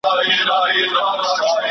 د هند اقتصاد څنګه د کرنې پر بنسټ ولاړ و؟